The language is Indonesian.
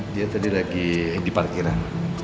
dia tadi lagi di parkiran